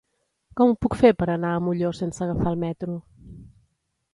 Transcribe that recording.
Com ho puc fer per anar a Molló sense agafar el metro?